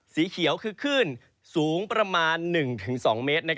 สีเขียวคือคลื่นสูงประมาณ๑๒เมตร